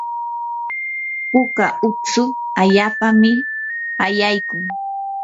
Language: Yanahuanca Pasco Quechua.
puka utsu allapami ayaykun.